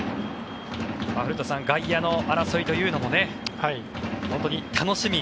古田さん、外野の争いというのも本当に楽しみ。